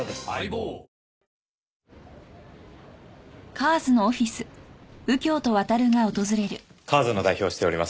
ＣＡＲＳの代表をしております